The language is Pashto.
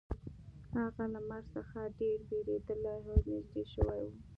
هغه له مرګ څخه ډیر ویریدلی او نږدې شوی و